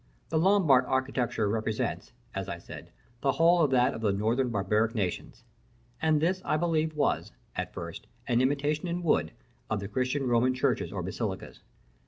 The Lombard architecture represents, as I said, the whole of that of the northern barbaric nations. And this I believe was, at first, an imitation in wood of the Christian Roman churches or basilicas.